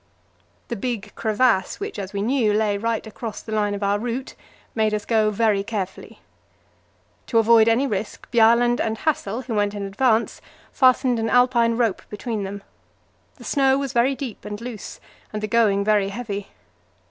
The big crevasse, which, as we knew, lay right across the line of our route, made us go very carefully. To avoid any risk, Bjaaland and Hassel, who went in advance, fastened an alpine rope between them. The snow was very deep and loose, and the going very heavy.